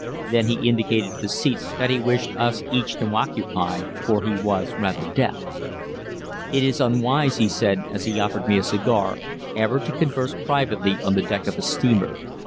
Then he indicated the seats that he wished us each to occupy, for he was rather deaf. "It is unwise," he said, as he offered me a cigar, "ever to converse privately on the deck of a steamer.